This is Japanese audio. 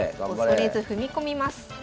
恐れず踏み込みます。